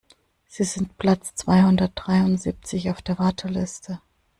Sie sind Platz zweihundertdreiundsiebzig auf der Warteliste.